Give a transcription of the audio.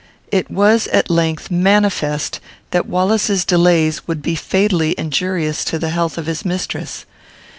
It was, at length, manifest that Wallace's delays would be fatally injurious to the health of his mistress.